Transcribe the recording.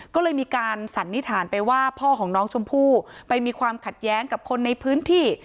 ก็เลยมีการสันนิษฐานไปว่าพ่อของน้องชมพู่ไปมีความขัดแย้งกับคนในพื้นที่